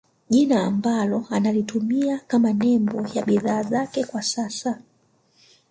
Jina ambalo analitumia kama nembo ya bidhaa zake kwa sasa